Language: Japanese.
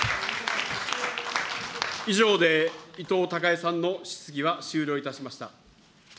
以上で伊藤孝恵さんの質疑は終了いたしました。